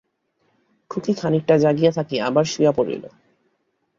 খুকী খানিকটা জাগিয়া থাকিয়া আবার শুইয়া পড়িল।